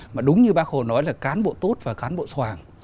mà đúng như bác hồi nói là cán bộ tốt và cán bộ tốt